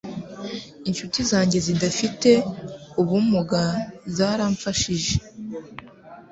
incuti zanjye zidafite ubumuga zaramfashije